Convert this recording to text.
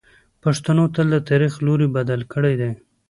پښتنو تل د تاریخ لوری بدل کړی دی.